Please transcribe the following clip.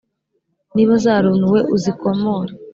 Niba zarunuwe uzikomore